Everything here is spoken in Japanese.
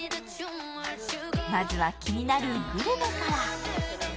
まずは気になるグルメから。